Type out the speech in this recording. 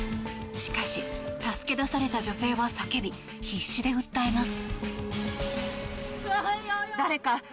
しかし、助け出された女性は叫び必死で訴えます。